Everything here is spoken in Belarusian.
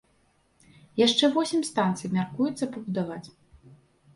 Яшчэ восем станцый мяркуецца пабудаваць.